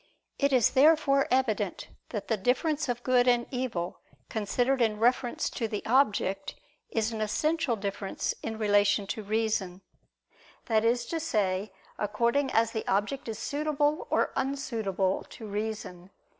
It is therefore evident that the difference of good and evil considered in reference to the object is an essential difference in relation to reason; that is to say, according as the object is suitable or unsuitable to reason.